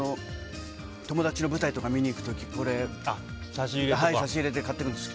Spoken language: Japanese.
友達の舞台とか見に行く時これを差し入れで買ってくんです。